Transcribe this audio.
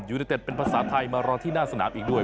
ยูเนเต็ดเป็นภาษาไทยมารอที่หน้าสนามอีกด้วย